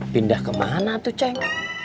pindah ke mana tuh ceng